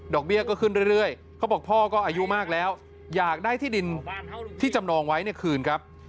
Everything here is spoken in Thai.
เบี้ยก็ขึ้นเรื่อยเขาบอกพ่อก็อายุมากแล้วอยากได้ที่ดินที่จำนองไว้เนี่ยคืนครับ